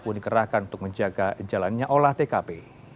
petugas dikerjakan untuk menjaga jalannya olah tkp